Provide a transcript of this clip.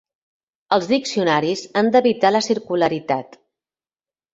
Els diccionaris han d'evitar la circularitat.